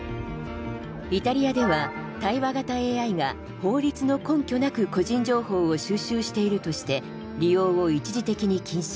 イタリアでは対話型ＡＩが法律の根拠なく個人情報を収集しているとして利用を一時的に禁止。